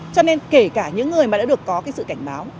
cho nên kể cả những người mà đã được có cái sự cảnh báo